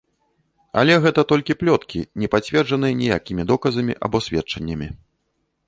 Але гэта толькі плёткі, не пацверджаныя ніякімі доказамі або сведчаннямі.